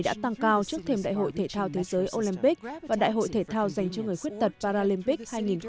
đã tăng cao trước thêm đại hội thể thao thế giới olympic và đại hội thể thao dành cho người khuyết tật paralympic hai nghìn một mươi chín